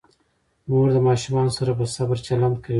مور د ماشومانو سره په صبر چلند کوي.